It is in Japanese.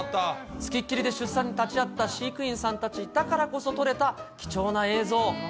付きっきりで出産に立ち会った飼育員さんたちだからこそ撮れた貴重な映像。